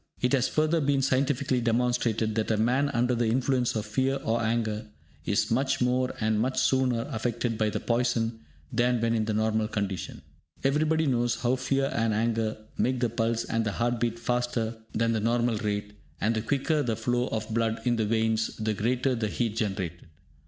It has further been scientifically demonstrated that a man under the influence of fear or anger is much more and much sooner, affected by poison than when in the normal condition. Everybody knows how fear and anger make the pulse and the heart beat faster than the normal rate, and the quicker the flow of blood in the veins, the greater the heat generated.